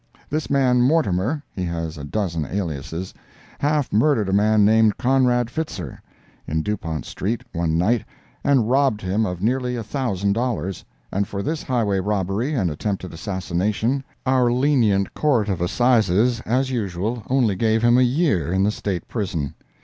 This man Mortimer (he has a dozen aliases,) half murdered a man named Conrad Pfister, in Dupont street, one night, and robbed him of nearly a thousand dollars, and for this highway robbery and attempted assassination our lenient Court of Assizes, as usual, only gave him a year in the State Prison.